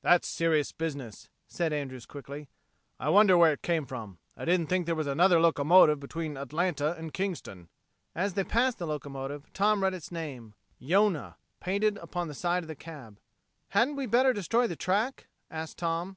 "That's serious business," said Andrews quickly. "I wonder where it came from. I didn't think there was another locomotive between Atlanta and Kingston." As they passed the locomotive, Tom read its name, Yonah, painted upon the side of the cab. "Hadn't we better destroy the track?" asked Tom.